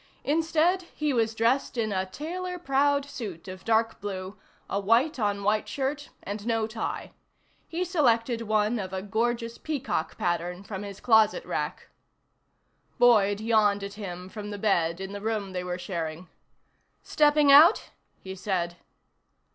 Instead, he was dressed in a tailor proud suit of dark blue, a white on white shirt and no tie. He selected one of a gorgeous peacock pattern from his closet rack. Boyd yawned at him from the bed in the room they were sharing. "Stepping out?" he said.